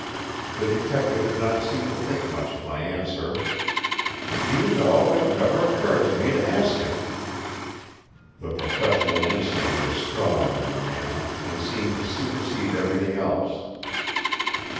The Detective did not seem to think much of my answer: "Do you know, it never occurred to me to ask him!" The professional instinct was strong in the man, and seemed to supersede everything else.